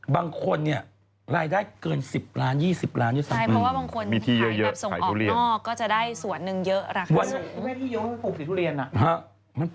บางคนเนี่ยรายได้เกิน๑๐ล้าน๒๐ล้าน